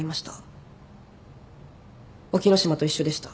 沖野島と一緒でした。